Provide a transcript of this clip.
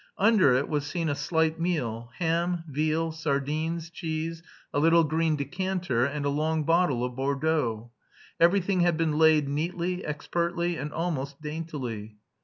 Under it was seen a slight meal: ham, veal, sardines, cheese, a little green decanter, and a long bottle of Bordeaux. Everything had been laid neatly, expertly, and almost daintily.